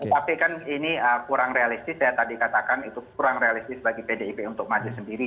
tapi kan ini kurang realistis saya tadi katakan itu kurang realistis bagi pdip untuk maju sendiri